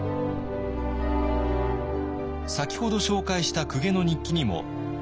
先ほど紹介した公家の日記にも。